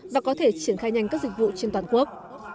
và có thể triển khai nhanh các dịch vụ trên toàn quốc